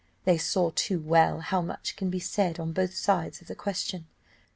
They saw too well how much can be said on both sides of the question.